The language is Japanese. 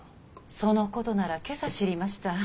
そのことなら今朝知りました。